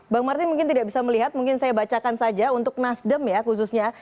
bang martin mungkin tidak bisa melihat mungkin saya bacakan saja untuk nasdem ya khususnya